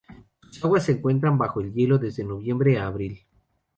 Sus aguas se encuentran bajo el hielo desde noviembre a abril.